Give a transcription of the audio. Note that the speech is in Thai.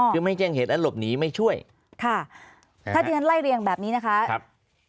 คือไม่แจ้งเหตุและหลบหนีไม่ช่วยค่ะถ้าที่ฉันไล่เรียงแบบนี้นะคะครับ